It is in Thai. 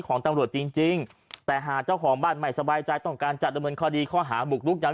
เขาก็เลลีย